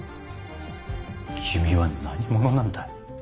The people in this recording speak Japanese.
君は何者なんだ？